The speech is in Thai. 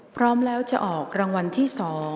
พร้อมแล้วจะออกรางวัลที่๒